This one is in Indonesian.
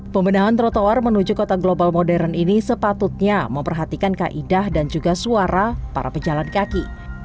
pembenahan trotoar menuju kota global modern ini sepatutnya memperhatikan kaidah dan juga suara para pejalan kaki